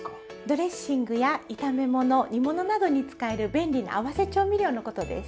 ドレッシングや炒め物煮物などに使える便利な合わせ調味料のことです。